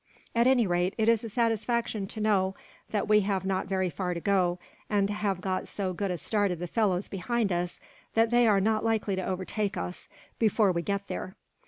At any rate, it is a satisfaction to know that we have not very far to go, and have got so good a start of the fellows behind us that they are not likely to overtake us, before we get there."